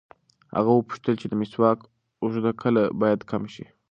هغه وپوښتل چې د مسواک اوږدو کله باید کم شي.